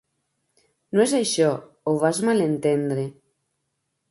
No és això: ho vas malentendre.